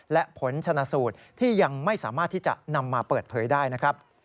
และผลชนะสูตรที่ยังไม่สามารถที่จะนำมาเปิดเผยได้นะครับ